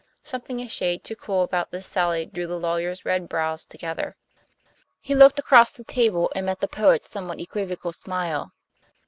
Something a shade too cool about this sally drew the lawyer's red brows together. He looked across the table and met the poet's somewhat equivocal smile.